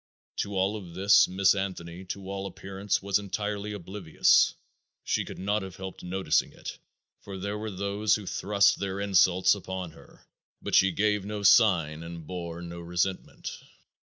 To all of this Miss Anthony, to all appearance, was entirely oblivious. She could not have helped noticing it for there were those who thrust their insults upon her but she gave no sign and bore no resentment.